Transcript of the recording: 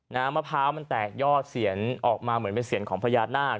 มะพร้าวมันแตกยอดเสียนออกมาเหมือนเป็นเสียงของพญานาค